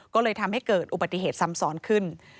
ก็เลยทำให้เกิดอุบัติเหตุซ้ำซ้อนขึ้น